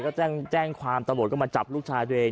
ก็แจ้งความตำรวจก็มาจับลูกชายตัวเอง